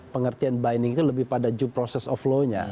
pengertian bining itu lebih pada due process of law nya